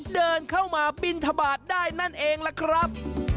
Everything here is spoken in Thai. เดินเข้ามาบินทบาทได้นั่นเองล่ะครับ